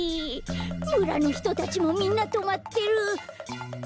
むらのひとたちもみんなとまってる！